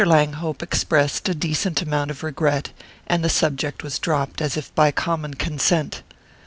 Langhope expressed a decent amount of regret, and the subject was dropped as if by common consent.